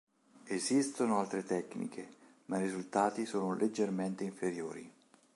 Esistono altre tecniche ma i risultati sono leggermente inferiori.